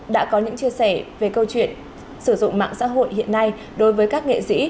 đã có những chia sẻ về câu chuyện sử dụng mạng xã hội hiện nay đối với các nghệ sĩ